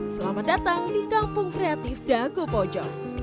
selamat datang di kampung kreatif dago pojok